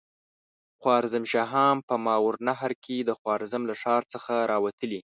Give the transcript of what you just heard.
خوارزم شاهان په ماوراالنهر کې د خوارزم له ښار څخه را وتلي.